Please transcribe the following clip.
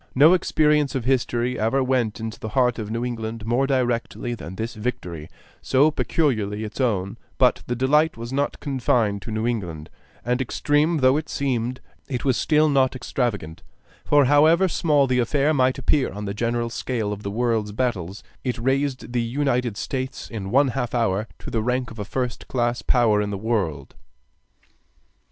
No experience of history ever went to the heart of New England more directly than this victory, so peculiarly its own: but the delight was not confined to New England, and extreme though it seemed, it was still not extravagant; for however small the affair might appear on the general scale of the world's battles, it raised the United States in one half hour to the rank of a first class Power in the world.